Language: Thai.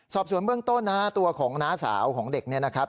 สอบสวนเบื้องต้นนะฮะตัวของน้าสาวของเด็กเนี่ยนะครับ